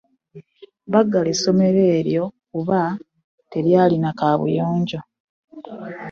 Baggala essomero eryo kuba teryalina kaabuyonjo.